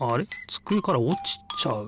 つくえからおちちゃう。